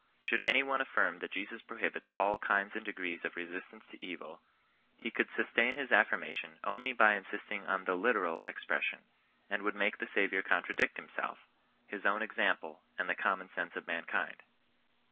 Should any one affirm that Jesus prohibits all kinds and degrees of resistance to eyil, he could sustain his affirmation only by insisting on the literal expression, and would make the Saviour contra dict himself, his own example, and the conmion sense of mankind.